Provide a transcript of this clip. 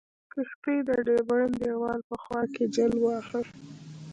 کښتۍ د ډبرین دیوال په خوا کې جل واهه.